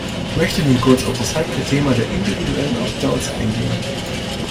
Ich möchte nun kurz auf das heikle Thema der individuellen Opt-outs eingehen.